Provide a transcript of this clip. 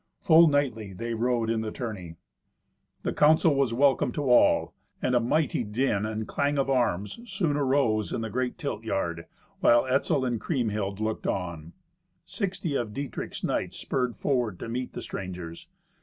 Full knightly they rode in the tourney. The counsel was welcome to all, and a mighty din and clang of arms soon arose in the great tilt yard, while Etzel and Kriemhild looked on. Sixty of Dietrich's knights spurred forward to meet the strangers.